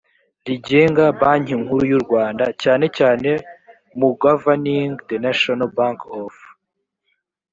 rigenga banki nkuru y u rwanda cyane cyane mu governing the national bank of